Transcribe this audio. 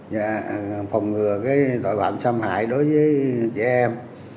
và phòng ngừa tội phạm xâm hại đối với trẻ em